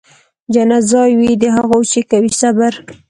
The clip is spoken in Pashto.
جنت ځای وي د هغو چي کوي صبر